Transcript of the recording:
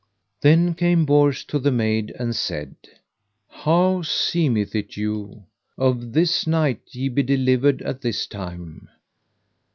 Then came Bors to the maid and said: How seemeth it you? of this knight ye be delivered at this time.